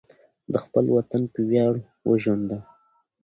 د خپل وطن په ویاړ وژونده.